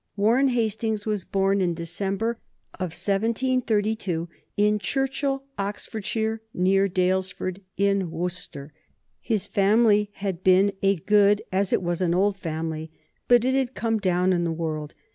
Warren Hastings was born in the December of 1732, in Churchill, Oxfordshire, near Daylesford in Worcestershire. His family had been a good as it was an old family. But it had come down in the world.